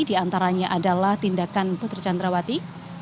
diantaranya adalah tindakan putri chandrawati